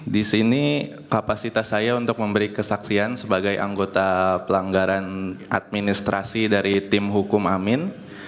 di sini kapasitas saya untuk memberi kesaksian sebagai anggota pelanggaran administrasi dari tim hukum amin